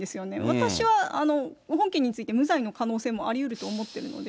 私は本件について、無罪の可能性もありうると思っているので。